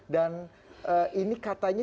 dan ini katanya